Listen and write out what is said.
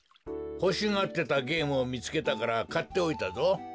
ほしがってたゲームをみつけたからかっておいたぞ。